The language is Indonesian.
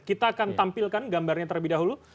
kita akan tampilkan gambarnya terlebih dahulu